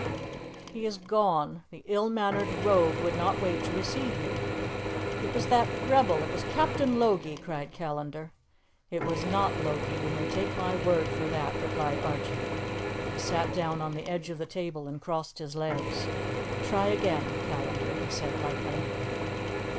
"He is gone. The ill mannered rogue would not wait to receive you." "It was that rebel! It was Captain Logie!" cried Callandar. "It was not Logie; you may take my word for that," replied Archie. He sat down on the edge of the table and crossed his legs. "Try again, Callandar," he said lightly.